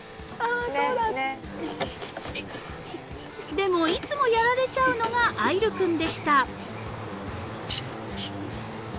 ［でもいつもやられちゃうのが瑠君でした］